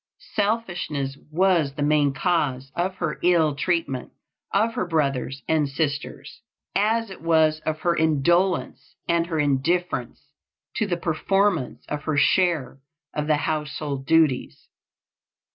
Selfishness was the main cause of her ill treatment of her brothers and sisters, as it was of her indolence, and her indifference to the performance of her share of the household duties.